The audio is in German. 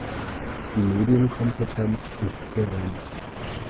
Die Medienkompetenz ist gering.